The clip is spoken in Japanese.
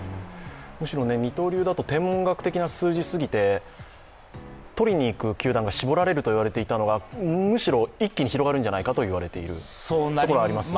むしろ二刀流だと天文学的な数字過ぎて取りに行く球団がしぼられているといわれていましたが、むしろ一気に広がるんじゃないかといわれているところはありますね。